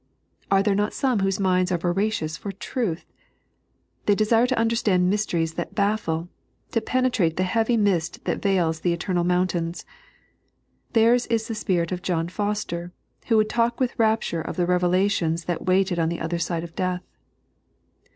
Are there not some whose minds are vomcious for truth t They desire to understand mysteries that baffle ; to pene trate the heavy mist that veils the eternal monntains. Theirs la the spirit of John Foster, who would talk witii rapture of the revelations that waited on the other side of death.